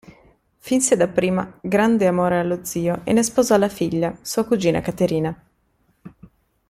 Finse dapprima grande amore allo zio e ne sposò la figlia, sua cugina Caterina.